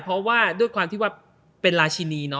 เพราะว่าด้วยความที่ว่าเป็นราชินี